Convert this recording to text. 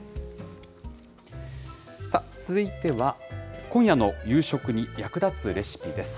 続いては、今夜の夕食に役立つレシピです。